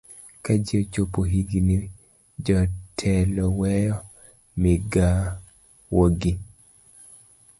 ka ji ochopo higini jotelo weyo migawogi